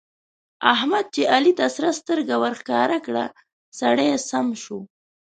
احمد چې علي ته سره سترګه ورښکاره کړه؛ سړی سم شو.